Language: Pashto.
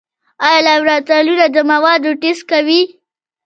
آیا لابراتوارونه د موادو ټسټ کوي؟